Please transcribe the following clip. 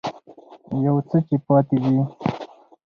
يو څه چې پاتې دي